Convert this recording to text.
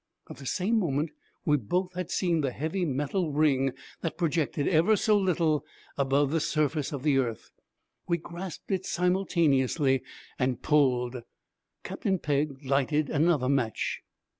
At the same moment we both had seen the heavy metal ring that projected, ever so little, above the surface of the earth. We grasped it simultaneously and pulled. Captain Pegg lighted another match.